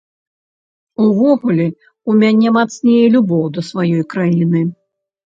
Увогуле, у мяне мацнее любоў да сваёй краіны.